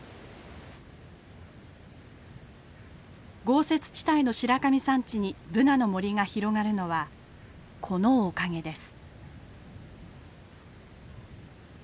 豪雪地帯の白神山地にブナの森が広がるのはこのおかげです。